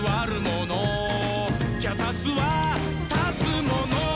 「きゃたつは立つもの」